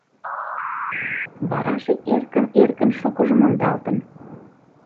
Вараже эркын-эркын шукыжо мондалтын.